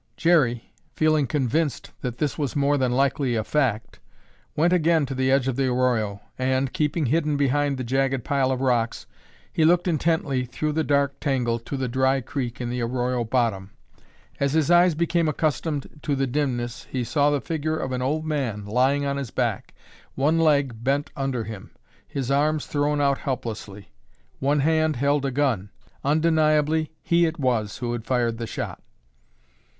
Jerry, feeling convinced that this was more than likely a fact, went again to the edge of the arroyo, and, keeping hidden behind the jagged pile of rocks, he looked intently through the dark tangle to the dry creek in the arroyo bottom. As his eyes became accustomed to the dimness he saw the figure of an old man lying on his back, one leg bent under him, his arms thrown out helplessly. One hand held a gun. Undeniably he it was who had fired the shot.